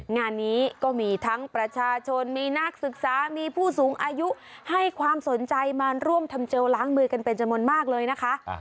งานนี้ก็มีทั้งประชาชนมีนักศึกษามีผู้สูงอายุให้ความสนใจมาร่วมทำเจลล้างมือกันเป็นจำนวนมากเลยนะคะ